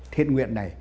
thiện nguyện này